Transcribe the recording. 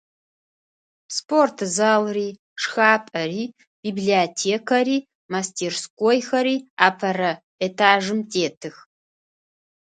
Спортзалри, шхапӏэри, библиотекэри, мастерскойхэри апэрэ этажым тетых.